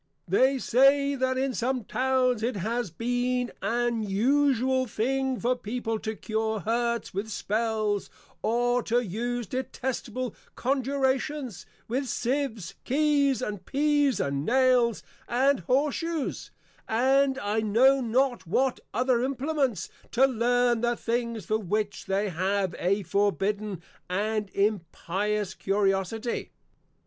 They say, that in some Towns it has been an usual thing for People to cure Hurts with Spells, or to use detestable Conjurations, with Sieves, Keys, and Pease, and Nails, and Horse shoes, and I know not what other Implements, to learn the things for which they have a forbidden, and an impious Curiosity.